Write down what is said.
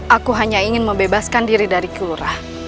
aku hanya ingin membebaskan diri dari kelurahan